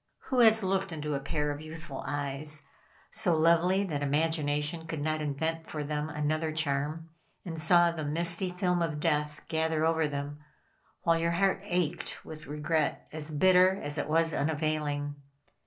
Who has looked into a pair of youthful eyes, so lovely that imagination could not invent for them another charm, and saw the misty film of death gather over them, while your heart ached with regret as bitter as it was unavailing.